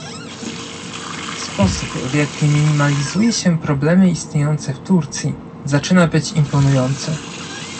Sposób, w jaki minimalizuje się problemy istniejące w Turcji zaczyna być imponujący